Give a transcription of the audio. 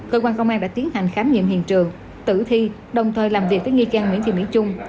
cơ quan công an đã tiến hành khám nghiệm hiện trường tử thi đồng thời làm việc với nghi can nguyễn thị mỹ trung